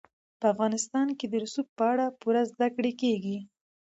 په افغانستان کې د رسوب په اړه پوره زده کړه کېږي.